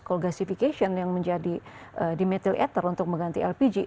kalo gasification yang menjadi dimethyl ether untuk mengganti lpg